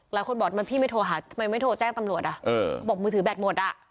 หลายคนบอกว่าพี่ไม่โทรแจ้งตำรวจบอกว่ามือถือแบตหมด